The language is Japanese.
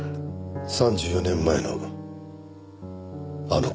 ３４年前のあの火事？